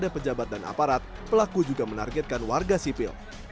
pelaku juga menargetkan warga sipil